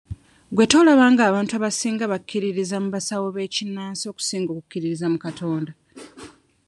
Gwe tolaba ng'abantu abasinga bakkiririza mu basawo b'ekinnansi okusinga okukkiririza mu Katonda?